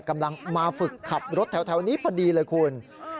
กำลังมาฝึกขับรถแถวนี้พอดีเลยคุณ